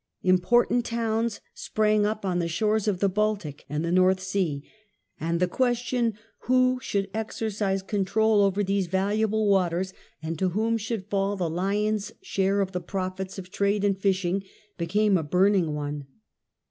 Important towns sprang up on the shores of the Baltic and the North Sea, and the question who should exercise control over these valuable waters and to whom should fall the lion's share of the profits of trade and fishing, became a burning one.